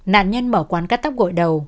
nạn nhân mở quán cắt tóc gội đầu